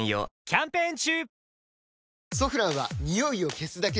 キャンペーン中！